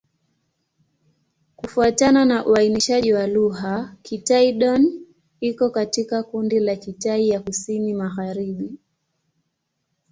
Kufuatana na uainishaji wa lugha, Kitai-Dón iko katika kundi la Kitai ya Kusini-Magharibi.